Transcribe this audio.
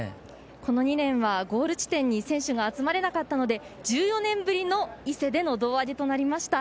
この２年はゴール地点に選手が集まれなかったので１４年ぶりの伊勢での胴上げとなりました。